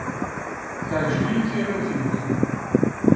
Teɛjeb-iyi tirawt-nnek.